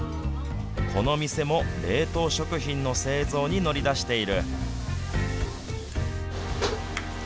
この店も冷凍食品の製造に乗り出している。